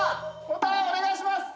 答えお願いします。